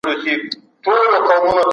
د رایې ورکوونکو رفتار په سیاست کي مهم دی.